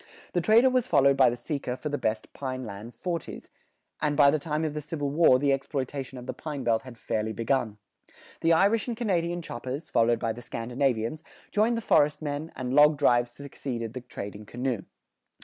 The trader was followed by the seeker for the best pine land "forties"; and by the time of the Civil War the exploitation of the pine belt had fairly begun. The Irish and Canadian choppers, followed by the Scandinavians, joined the forest men, and log drives succeeded the trading canoe.